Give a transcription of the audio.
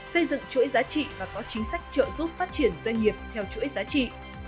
xây dựng chuỗi giá trị và có chính sách trợ giúp phát triển doanh nghiệp theo chuỗi giá trị